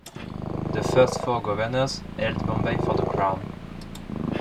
The first four governors held Bombay for the Crown.